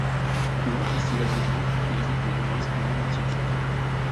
Plus grand festival du genre, il invite des humoristes du monde entier.